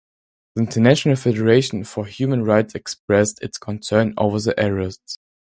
The International Federation for Human Rights expressed its concern over the arrests.